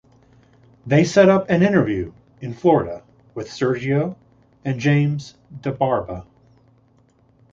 They set up an interview in Florida with Sergio, and James "Da Barba".